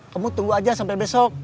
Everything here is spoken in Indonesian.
kamu tunggu aja sampai besok